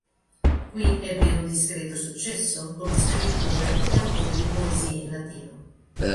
Qui ebbe un discreto successo come scrittore e autore di poesie in latino.